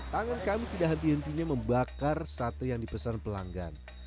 tangan kami tidak henti hentinya membakar sate yang dipesan pelanggan